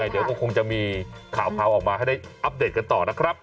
เดี๋ยวก็คงจะมีข่าวพาวออกมาให้ได้อัปเดตกันต่อนะครับ